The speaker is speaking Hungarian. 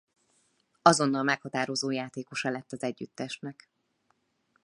Azonnal meghatározó játékosa lett az együttesnek.